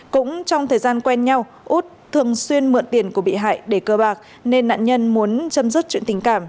cũng trong thời gian quen nhau út thường xuyên mượn tiền của bị hại để cơ bạc nên nạn nhân muốn chấm dứt chuyện tình cảm